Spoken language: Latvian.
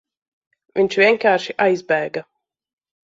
Viņš vienkārši aizbēga.